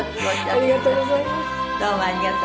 ありがとうございます。